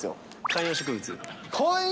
観葉植物！